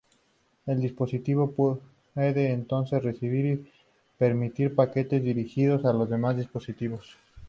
El dispositivo puede entonces recibir y remitir paquetes dirigidos a los demás dispositivos.